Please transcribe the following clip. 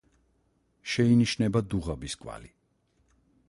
შეინიშნება დუღაბის კვალი.